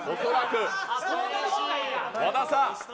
和田さん